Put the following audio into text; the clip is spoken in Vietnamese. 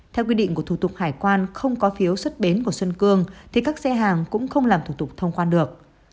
theo quy định của thủ tục hải quan không có phiếu xuất bến của xuân cương thì các xe hàng cũng không làm thủ tục thông quan được